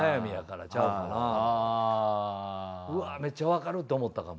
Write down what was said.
うわぁめっちゃわかるって思ったかも。